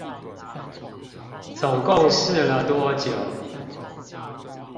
總共試了多久？